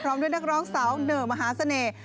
พร้อมด้วยนักร้องเสาเนอร์มหาเสน่ห์